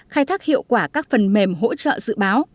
khai thác hiệu quả các phần mềm hỗ trợ dự báo